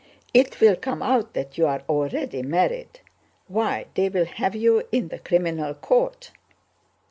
It will come out that you're already married. Why, they'll have you in the criminal court...."